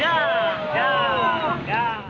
jauh jauh jauh